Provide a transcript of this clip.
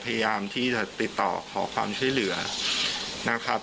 พยายามที่จะติดต่อขอความช่วยเหลือนะครับ